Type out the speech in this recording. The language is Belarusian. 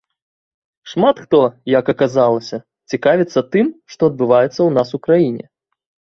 Шмат хто, як аказалася, цікавіцца тым, што адбываецца ў нас у краіне.